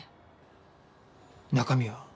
中身は？